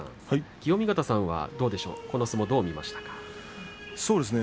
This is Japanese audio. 清見潟さんはどうですかこの相撲どう見ましたか。